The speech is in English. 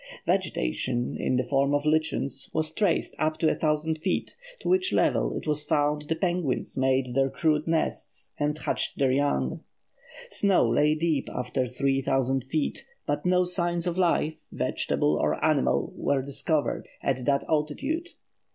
Vegetation, in the form of lichens, was traced up to a thousand feet, to which level it was found the penguins made their crude nests and hatched their young. Snow lay deep after three thousand feet, but no signs of life, vegetable or animal, were discovered at that altitude.